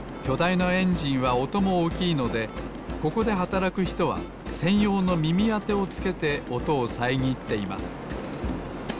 いなエンジンはおともおおきいのでここではたらくひとはせんようのみみあてをつけておとをさえぎっています。